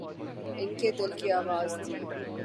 ان کے دل کی آواز تھی۔